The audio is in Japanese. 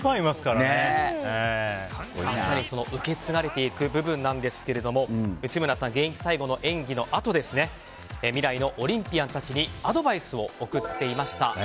まさに受け継がれていくという部分なんですけども内村さん、現役最後の演技のあと未来のオリンピアンたちにアドバイスを贈っていました。